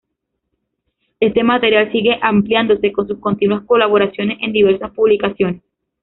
Este material sigue ampliándose con sus continuas colaboraciones en diversas publicaciones.